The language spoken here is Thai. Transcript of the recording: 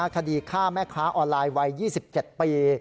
คดีฆ่าแม่ค้าออนไลน์วัย๒๗ปี